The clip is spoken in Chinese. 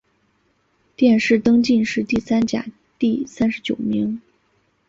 殿试登进士第三甲第三十九名。